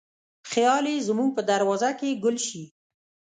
خیال یې زموږ په دروازه کې ګل شي